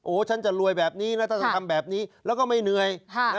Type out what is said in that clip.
ฉันจะรวยแบบนี้นะถ้าจะทำแบบนี้แล้วก็ไม่เหนื่อย